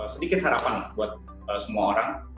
sedikit harapan buat semua orang